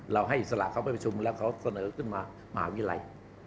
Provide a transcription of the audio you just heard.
ให้อิสระเขาไปประชุมแล้วเขาเสนอขึ้นมามหาวิทยาลัย